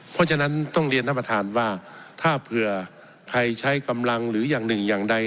เพราะฉะนั้นต้องเรียนท่านประธานว่าถ้าเผื่อใครใช้กำลังหรืออย่างหนึ่งอย่างใด